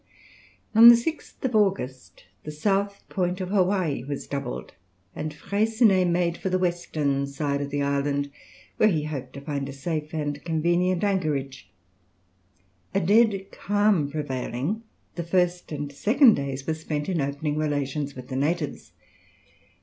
On the 6th August the south point of Hawaï was doubled, and Freycinet made for the western side of the island, where he hoped to find a safe and convenient anchorage. A dead calm prevailing, the first and second days were spent in opening relations with the natives.